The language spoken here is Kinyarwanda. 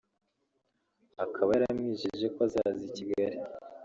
akaba yaramwijeje ko azaza i Kigali